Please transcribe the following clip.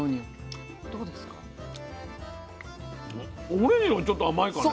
オレンジの方がちょっと甘いかね。